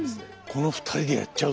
この２人でやっちゃう。